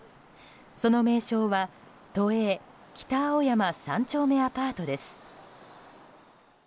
その名称は都営北青山三丁目アパートです。